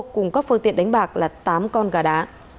cùng các phương tiện đánh bạc là tám con gà đá